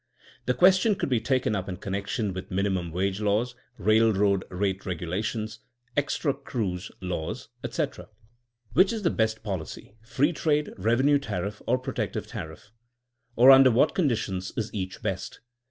The question could be taken up in connection with Tniuimum wage laws, railroad rate regulations, ^^ extra crew laws, etc. Which is the best policy: free trade, revenite tariff, or protective tariff f Or under what con ditions is each best?